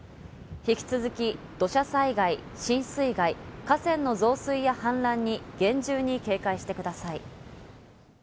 引き続き、土砂災害、浸水害、河川の増水や氾濫に厳重に警戒してください。